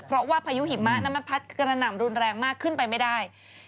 เพราะว่าพายุหิมะนั้นมันพัดกระหน่ำรุนแรงมากขึ้นไปไม่ได้